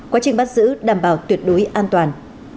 quá trình bắt giữ đảm bảo tuyệt đối an toàn